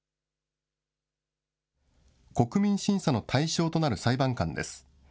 国民審査の対象となる裁判官です。